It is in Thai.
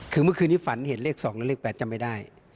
คือเมื่อคืนนี้ฝันเห็นเลข๒และเลข๘จำไม่ได้